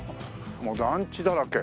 もう団地だらけ。